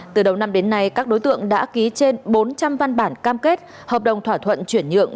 từ đầu năm đến nay các đối tượng đã ký trên bốn trăm linh văn bản cam kết hợp đồng thỏa thuận chuyển nhượng